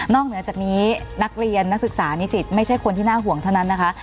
เหนือจากนี้นักเรียนนักศึกษานิสิตไม่ใช่คนที่น่าห่วงเท่านั้นนะคะ